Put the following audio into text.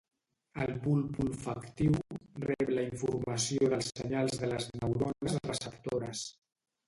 El bulb olfactiu rep la informació dels senyals de les neurones receptores.